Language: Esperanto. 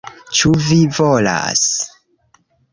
Ĉu vi volas...